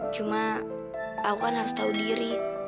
cuma aku kan harus tahu diri